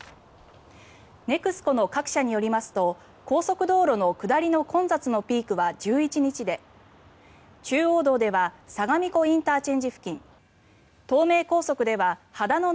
ＮＥＸＣＯの各社によりますと高速道路の下りの混雑のピークは１１日で中央道では相模湖ＩＣ付近東名高速では秦野